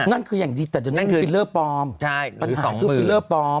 นั่นคืออย่างดีแต่ตอนนี้มันฟิลเลอร์ปลอมปัญหาคือฟิลเลอร์ปลอม